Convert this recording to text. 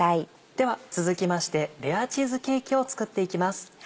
では続きましてレアチーズケーキを作っていきます。